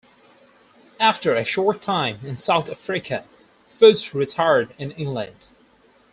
After a short time in South Africa, Foot retired in England.